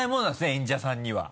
演者さんには。